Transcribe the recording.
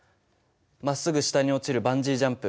まっすぐ下に落ちるバンジージャンプ。